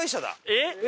えっ！